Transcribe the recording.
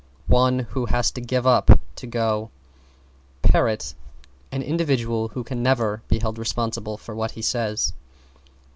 One who has to give up to go. =PARROT= An individual who can never be held responsible for what he says.